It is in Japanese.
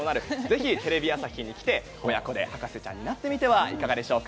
ぜひ、テレビ朝日に来て親子で博士ちゃんになってみてはいががでしょう。